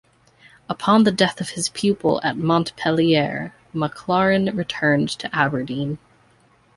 Upon the death of his pupil at Montpellier, Maclaurin returned to Aberdeen.